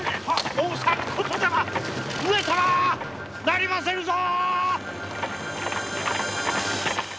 なりませぬぞ！